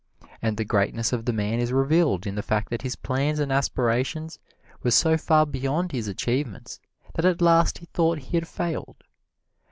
And the greatness of the man is revealed in the fact that his plans and aspirations were so far beyond his achievements that at last he thought he had failed.